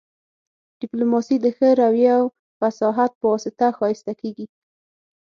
ډیپلوماسي د ښه رويې او فصاحت په واسطه ښایسته کیږي